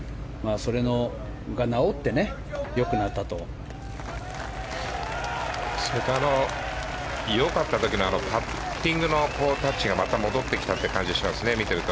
それと、良かった時のパッティングのタッチがまた戻ってきたという感じがしますね、見てると。